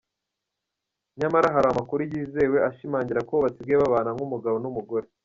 Nyamara hari amakuru yizewe ashimangira ko basigaye babana nk’umugabo n’umugore.